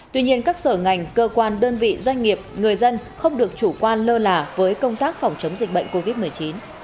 tuy nhiên các sở ngành cơ quan đơn vị doanh nghiệp người dân không được chủ quan lơ là với công tác phòng chống dịch bệnh covid một mươi chín